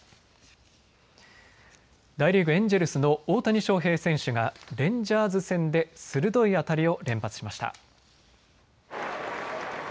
大リーグ、エンジェルスの大谷翔平選手がレンジャーズ戦で鋭い当たりを連発しました。